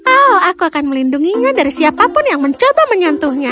oh aku akan melindunginya dari siapapun yang mencoba menyentuhnya